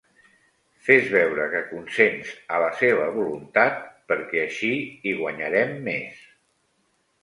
Fes veure que consents a la seva voluntat, perquè així hi guanyarem més.